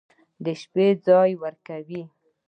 د شپې ځاى وركوي.